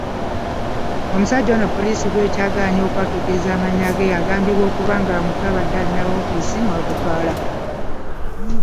Omusajja ono poliisi gw'ekyagaanye okwatuukiriza amannya agambibwa okuba ng'omutwe abadde aliko wofiisi mw'agutwala.